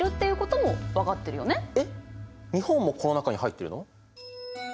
日本もこの中に入ってるの？